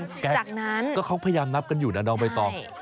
จากนั้นก็เขาพยายามนับกันอยู่นะเราไปตอบใช่